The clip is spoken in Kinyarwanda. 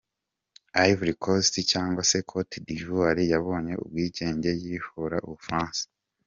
Ivory Coast cyangwa se Côte d’Ivoire yabonye ubwigenge yibohora Ubufaransa.